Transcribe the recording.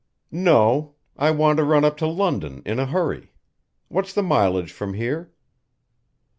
"No. I want to run up to London in a hurry what's the mileage from here?"